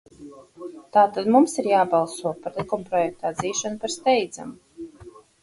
Tātad mums ir jābalso par likumprojekta atzīšanu par steidzamu.